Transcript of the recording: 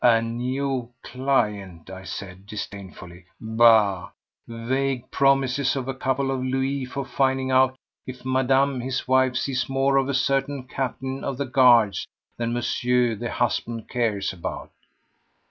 "A new client!" I said disdainfully. "Bah! Vague promises of a couple of louis for finding out if Madame his wife sees more of a certain captain of the guards than Monsieur the husband cares about."